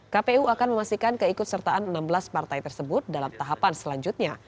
kpu akan memastikan keikut sertaan enam belas partai tersebut dalam tahapan selanjutnya